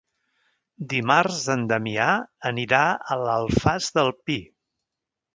Dimarts en Damià anirà a l'Alfàs del Pi.